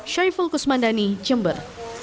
syayful kusmandani jember